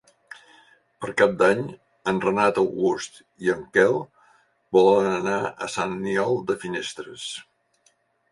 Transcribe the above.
Per Cap d'Any en Renat August i en Quel volen anar a Sant Aniol de Finestres.